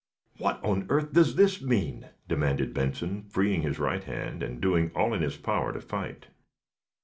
"What on earth does this mean!" demand Benson, freeing his right hand and doing all in his power to fight.